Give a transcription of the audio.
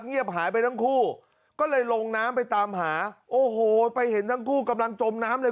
เงียบหายไปทั้งคู่ก็เลยลงน้ำไปตามหาโอ้โหไปเห็นทั้งคู่กำลังจมน้ำเลย